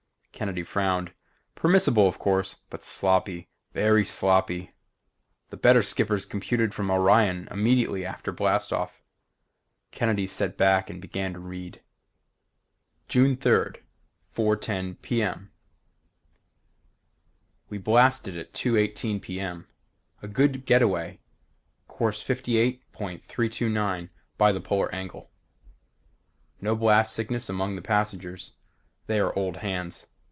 Kennedy frowned. Permissible of course, but sloppy, very sloppy. The better skippers computed from Orion immediately after blast off. Kennedy set back and began to read: June 3rd, 4:10 p. m. We blasted at 2:18 p. m. A good getaway. Course 58.329 by the polar angle. No blast sickness among the passengers. They are old hands.